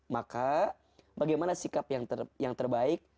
maka bagaimana sikap yang terbaik